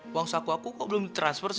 uang saku aku kok belum di transfer sih